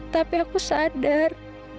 tapi aku sadar